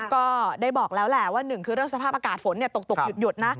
ก็ได้บอกแล้วแหละว่าหนึ่งคือเรื่องสภาพอากาศฝนตกหยุดนะ